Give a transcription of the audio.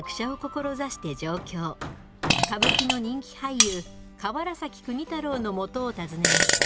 歌舞伎の人気俳優河原崎国太郎の元を訪ねます。